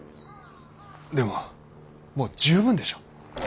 でももう十分でしょ。